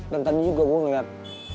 dan tadi juga gue ngeliat